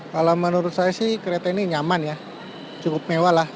kalau menurut saya sih kereta ini nyaman ya cukup mewah lah